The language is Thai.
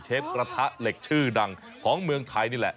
กระทะเหล็กชื่อดังของเมืองไทยนี่แหละ